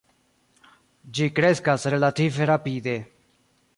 Ĝi kreskas relative rapide.